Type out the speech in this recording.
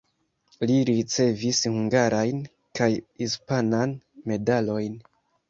Li ricevis hungarajn kaj hispanan medalojn.